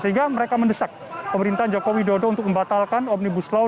sehingga mereka mendesak pemerintahan joko widodo untuk membatalkan omnibus law